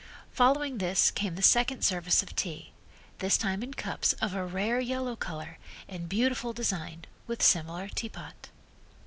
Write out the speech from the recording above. Following this came the second service of tea, this time in cups of a rare yellow color and beautiful design, with similar teapot.